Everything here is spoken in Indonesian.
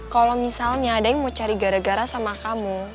kalau misalnya ada yang mau cari gara gara sama kamu